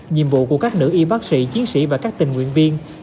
nhiệm vụ của các nữ y bác sĩ chiến sĩ và các tỉnh bệnh nhân của bệnh viện là